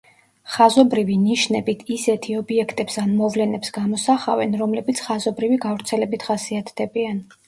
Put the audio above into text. ხაზობრივი ნიშნებით ისეთი ობიექტებს ან მოვლენებს გამოსახავენ, რომლებიც ხაზობრივი გავრცელებით ხასიათდებიან.